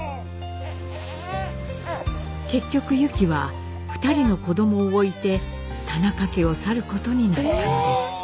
結局ユキは２人の子どもを置いて田中家を去ることになったのです。